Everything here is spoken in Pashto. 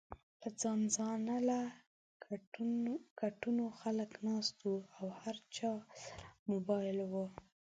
پۀ ځان ځانله کټونو خلک ناست وو او هر چا سره موبايل ؤ